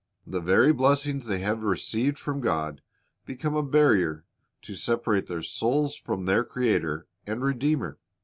The very blessings they have received' from God become a barrier to separate their souls from their Creator and Redeemer.